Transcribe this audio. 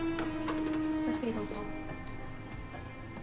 ごゆっくりどうぞ。